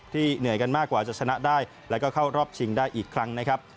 เหนื่อยกันมากกว่าจะชนะได้แล้วก็เข้ารอบชิงได้อีกครั้งนะครับ